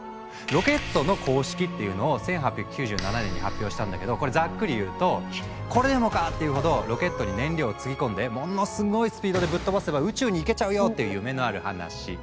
「ロケットの公式」っていうのを１８９７年に発表したんだけどこれざっくり言うと「これでもかっていうほどロケットに燃料を積み込んでものすごいスピードでぶっ飛ばせば宇宙に行けちゃうよ」っていう夢のある話。